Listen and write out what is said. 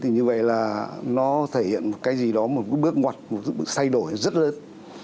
như vậy là nó thể hiện một cái gì đó một bước ngoặt một bước xay đổi rất lớn